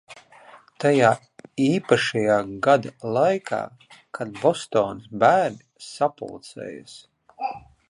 Tajā īpašajā gada laikā, kad Bostonas bērni sapulcējas.